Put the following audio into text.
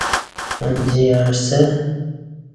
انجی یعݩسہ